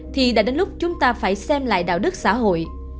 thì đã đến lúc chúng ta phải xem lại đạo đức xã hội